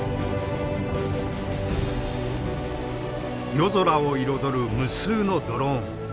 夜空を彩る無数のドローン。